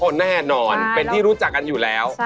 แน่นอนเป็นที่รู้จักกันอยู่แล้ว